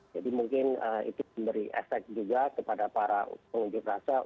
jadi mungkin itu memberi efek juga kepada para pengunjuk rasa